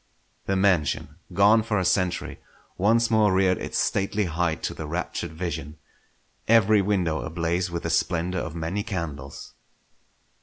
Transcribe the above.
The mansion, gone for a century, once more reared its stately height to the raptured vision; every window ablaze with the splendour of many candles.